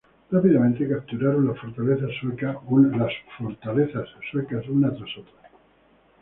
Rápidamente capturaron las fortalezas suecas una tras otra.